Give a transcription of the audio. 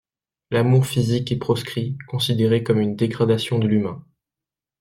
L’amour physique est proscrit, considéré comme une dégradation de l’humain.